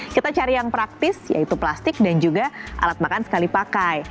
kita cari yang praktis yaitu plastik dan juga alat makan sekali pakai